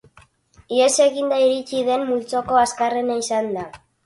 Ihes eginda iritsi den multzoko azkarrena izan da.